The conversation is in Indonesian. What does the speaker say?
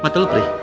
mata lo perih